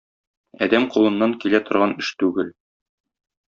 Адәм кулыннан килә торган эш түгел.